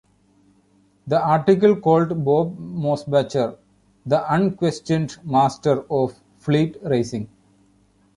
The article called Bob Mosbacher "the unquestioned master of fleet racing".